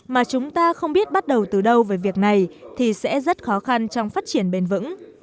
mà chúng ta không biết bắt đầu từ đâu về việc này thì sẽ rất khó khăn trong phát triển bền vững